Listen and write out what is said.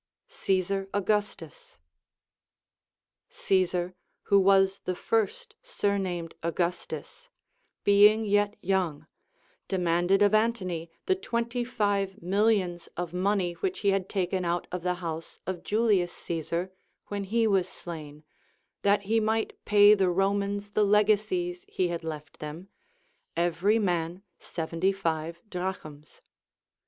Caesar Augustus. Caesar, who was the first surnamed Augustus, being yet young, demanded of Antony the twen ty five millions of money f which he had taken out of the house of Julius Caesar when he was slain, that he might pay the Romans the legacies he had left them, every man seventy five drachms.